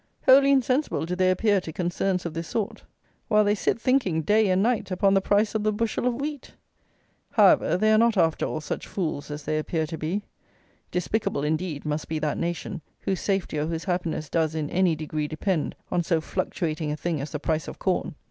Wholly insensible do they appear to concerns of this sort, while they sit thinking, day and night, upon the price of the bushel of wheat! However, they are not, after all, such fools as they appear to be. Despicable, indeed, must be that nation, whose safety or whose happiness does, in any degree, depend on so fluctuating a thing as the price of corn.